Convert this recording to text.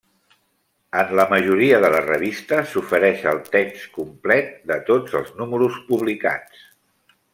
En la majoria de les revistes s'ofereix el text complet de tots els números publicats.